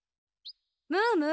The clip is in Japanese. ムームー。